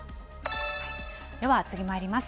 では次まいります。